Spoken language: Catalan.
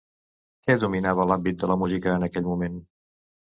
Què dominava l'àmbit de la música en aquell moment?